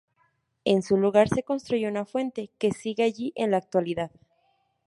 En su lugar se construyó una fuente, que sigue allí en la actualidad.